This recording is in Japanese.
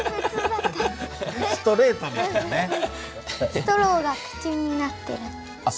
ストローが口になってる。